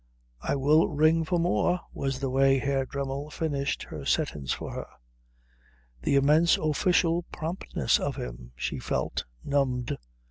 I will ring for more," was the way Herr Dremmel finished her sentence for her. The immense official promptness of him! She felt numbed.